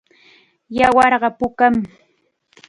Yawarqa pukam.